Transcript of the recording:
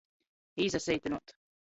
Īsaseitynuot.